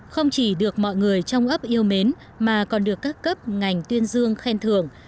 không chỉ được mọi người trong ấp yêu mến mà còn được các cấp ngành tuyên dương khen thưởng